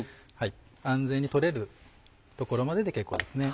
安全に取れるところまでで結構ですね。